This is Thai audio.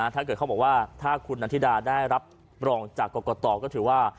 ถ้าเกิดเขาบอกว่าถ้าคุณนัทธิดาได้รับรองจักรกต่อก็ถือว่า